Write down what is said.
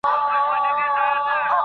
هر پلار بايد د خپلو لوڼو سره احسان وکړي.